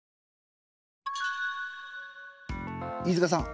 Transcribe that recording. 飯塚さん